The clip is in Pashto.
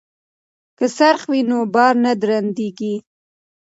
که څرخ وي نو بار نه درندیږي.